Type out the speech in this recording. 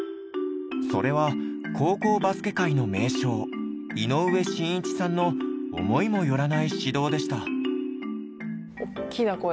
それは高校バスケ界の名将井上眞一さんの思いもよらない指導でした。